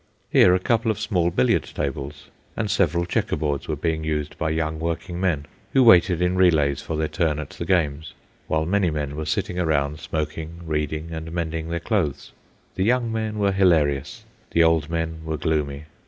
Here, a couple of small billiard tables and several checkerboards were being used by young working men, who waited in relays for their turn at the games, while many men were sitting around, smoking, reading, and mending their clothes. The young men were hilarious, the old men were gloomy.